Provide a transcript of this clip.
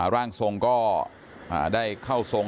ร่างทรงก็ได้เข้าทรง